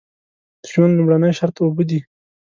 د ژوند لومړنی شرط اوبه دي.